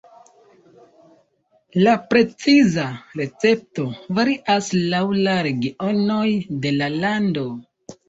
La preciza recepto varias laŭ la regionoj de la lando.